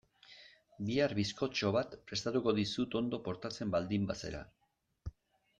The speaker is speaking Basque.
Bihar bizkotxo bat prestatuko dizut ondo portatzen baldin bazara.